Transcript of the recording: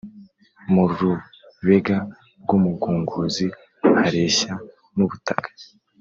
mu rubega rw'umugunguzi hareshya n'ubutaka.